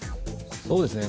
そうですね。